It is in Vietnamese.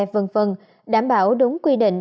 v v đảm bảo đúng quy định